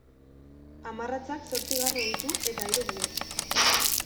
Hamarratzak zortzi garro ditu eta hiru bihotz.